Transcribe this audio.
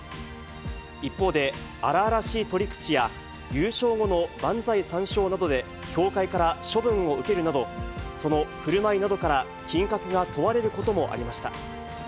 一方で、荒々しい取り口や、優勝後の万歳三唱などで、協会から処分を受けるなど、そのふるまいなどから、品格が問われることもありました。